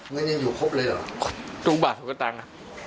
มันยังอยู่ครบเลยหรอสุขภาพสุขตังค์